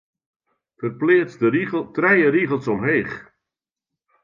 Ferpleats de rigel trije rigels omheech.